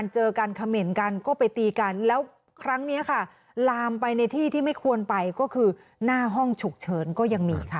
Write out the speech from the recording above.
เจอกันเขม่นกันก็ไปตีกันแล้วครั้งนี้ค่ะลามไปในที่ที่ไม่ควรไปก็คือหน้าห้องฉุกเฉินก็ยังมีค่ะ